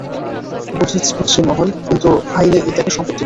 বুঝছি মহল, কিন্তু, - আইনে এইটাকে সম্পত্তি বলে।